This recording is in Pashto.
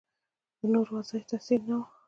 د نورو واضح تصویر نه و